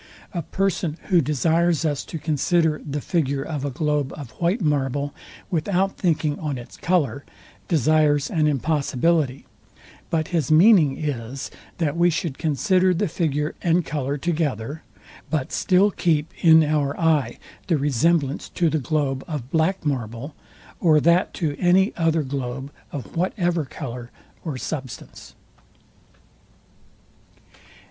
A person, who desires us to consider the figure of a globe of white marble without thinking on its colour, desires an impossibility but his meaning is, that we should consider the figure and colour together, but still keep in our eye the resemblance to the globe of black marble, or that to any other globe of whatever colour or substance.